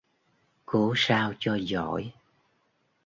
cố sao cho giỏi